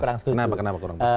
kurang pas kenapa kenapa kurang pas